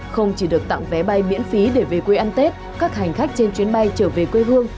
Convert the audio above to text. không chỉ được tặng vé bay miễn phí để về quê ăn tết các hành khách trên chuyến bay trở về quê hương